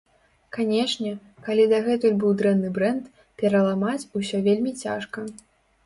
Канечне, калі дагэтуль быў дрэнны брэнд, пераламаць усё вельмі цяжка.